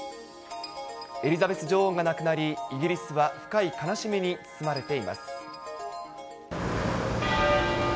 エリザベス女王が亡くなり、イギリスは深い悲しみに包まれています。